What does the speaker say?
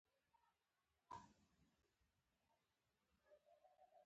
د کچالو د کرلو لپاره تخم څنګه پرې کړم؟